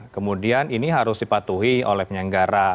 kemudian ini harus dipatuhi oleh penyelenggara